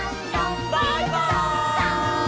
バイバイ！